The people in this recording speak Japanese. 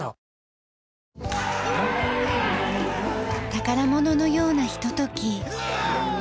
宝物のようなひととき。